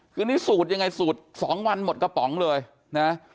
คือนี่สูตรยังไงสูตร๒วันหมดกระป๋องเลยนะ